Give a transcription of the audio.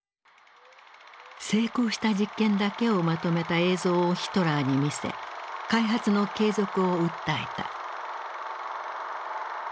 成功した実験だけをまとめた映像をヒトラーに見せ開発の継続を訴えた。